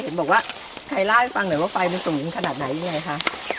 บอกว่าใครเล่าให้ฟังหน่อยว่าไฟมันสูงขนาดไหนยังไงคะ